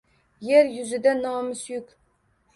Yer yuzida nomi suyuk